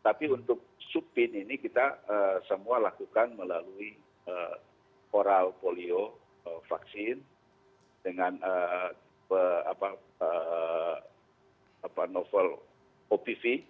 tapi untuk suppin ini kita semua lakukan melalui oral polio vaksin dengan novel opv